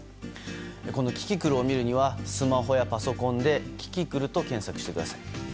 このキキクルを見るにはスマホやパソコンでキキクルと検索してください。